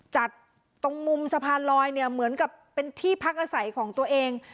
ตรงมุมสะพานลอยเนี่ยเหมือนกับเป็นที่พักอาศัยของตัวเอง